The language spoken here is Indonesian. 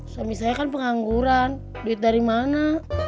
suami saya kan pengangguran duit dari mana